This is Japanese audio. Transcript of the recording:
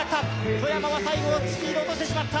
外山は最後スピードを落としてしまった。